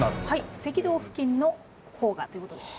赤道付近の方がということですね。